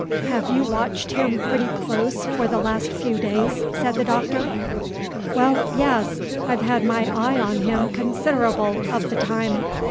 "Have you watched him pretty close for the last few days?" said the Doctor. "W'll, yes, I've had my eye on him consid'ble o' the time.